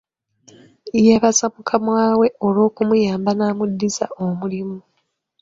Yeebaza mukama we olw'okumuyamba n'amuddiza omulimu.